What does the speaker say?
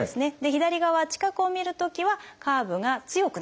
左側近くを見るときはカーブが強くなっています。